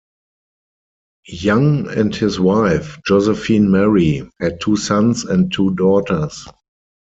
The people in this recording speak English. Young and his wife, Josephine Mary, had two sons and two daughters.